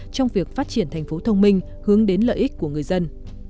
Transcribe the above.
trong việc phát triển thành phố thông minh hướng đến lợi ích của người dân